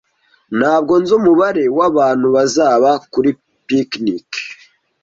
Ntabwo nzi umubare wabantu bazaba kuri picnic.